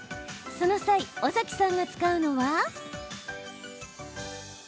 その際、尾崎さんが使うのは。